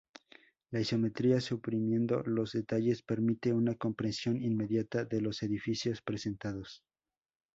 La isometría, suprimiendo los detalles, permite una comprensión inmediata de los edificios presentados.